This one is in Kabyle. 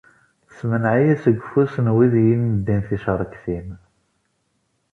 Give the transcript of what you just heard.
Semneɛ-iyi seg ufus n wid i yi-neddin tcerktin.